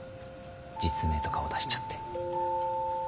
実名と顔出しちゃって。